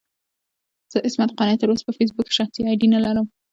زه عصمت قانع تر اوسه په فېسبوک کې شخصي اې ډي نه لرم.